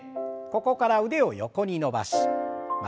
ここから腕を横に伸ばし曲げて。